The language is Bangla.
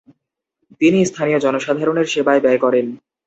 তিনি স্থানীয় জনসাধারণের সেবায় ব্যয় করেন।